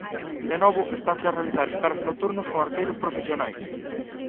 De novo estanse a realizar esperas nocturnas con arqueiros profesionais.